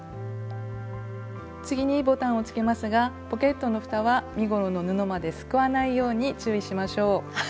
次にボタンをつけますがポケットのふたは身ごろの布まですくわないように注意しましょう。